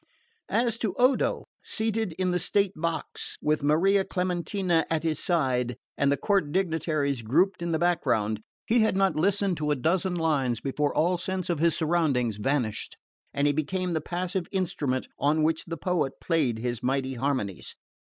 As to Odo, seated in the state box, with Maria Clementina at his side, and the court dignitaries grouped in the background, he had not listened to a dozen lines before all sense of his surroundings vanished and he became the passive instrument on which the poet played his mighty harmonies.